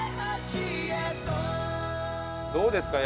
どうですか？